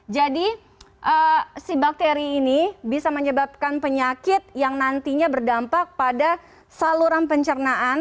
jadi si bakteri ini bisa menyebabkan penyakit yang nantinya berdampak pada saluran pencernaan